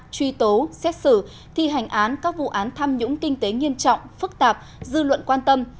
truy tố xét xử thi hành án các vụ án tham nhũng kinh tế nghiêm trọng phức tạp dư luận quan tâm